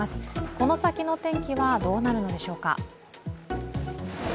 この先の天気はどうなるのでしょうか。